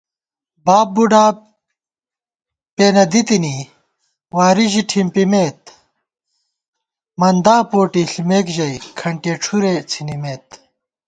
باب بُوڈا پېنہ دِتِنی، واری ژی ٹھِمپِمېت * مندا پوٹےݪِمېکژَئی کھنٹِیَہ ڄُھرےڅِھنِمېت